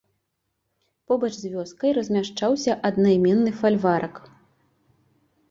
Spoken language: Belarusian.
Побач з вёскай размяшчаўся аднайменны фальварак.